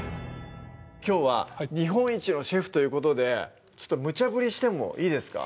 きょうは日本一のシェフということでむちゃ振りしてもいいですか？